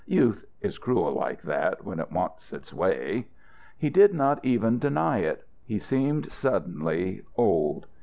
Youth is cruel like that, when it wants its way. He did not even deny it. He seemed suddenly old.